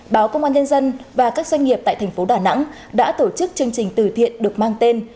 báo công an nhân dân và các doanh nghiệp tại thành phố đà nẵng đã tổ chức chương trình từ thiện được mang tên